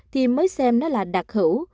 thì mới xem nó là đặc hữu